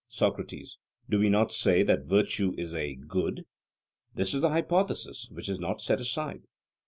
SOCRATES: Do we not say that virtue is a good? This is a hypothesis which is not set aside.